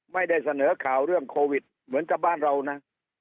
ไม่ได้เสนอข่าวเรื่องโควิดเหมือนกับบ้านเรานะ